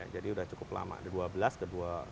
jadi sudah cukup lama dari dua belas ke dua puluh satu